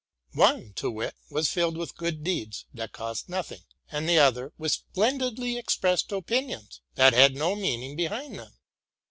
One, to wit, was filled with good deeds, that cost nothing ; and the other with splendidly expressed opinions, that had no meaning behind them.